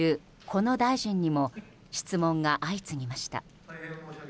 この大臣にも質問が相次ぎました。